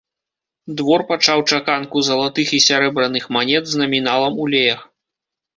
Двор пачаў чаканку залатых і сярэбраных манет з наміналам у леях.